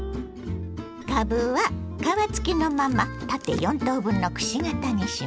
かぶは皮付きのまま縦４等分のくし形にします。